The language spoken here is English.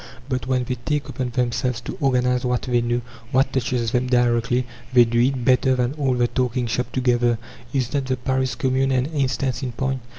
But when they take upon themselves to organize what they know, what touches them directly, they do it better than all the "talking shops" put together. Is not the Paris Commune an instance in point?